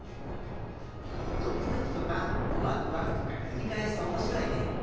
「ドキドキ」とか「ワクワク」とかくりかえすとおもしろいね。